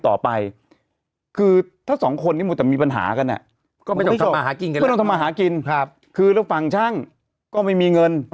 ก็ไม่ต้องทำอาหารกินก็ต้องทำอาหารกินครับคือแล้วฝั่งช่างก็ไม่มีเงิน